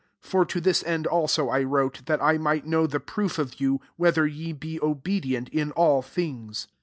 9 For to this end also I wrote, that 1 might know the proof of you, whether ye be obedient in all thinga.